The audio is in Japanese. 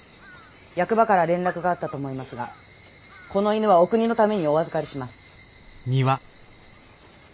役場から連絡があったと思いますがこの犬はお国のためにお預かりします。